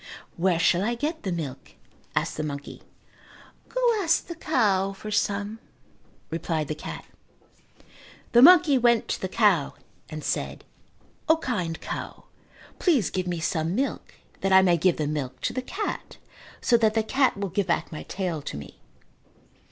"Where shall I get the milk?" asked the monkey. "Go ask the cow for some," replied the cat. The monkey went to the cow and said, "O, kind cow, please give me some milk that I may give the milk to the cat so that the cat will give back my tail to me."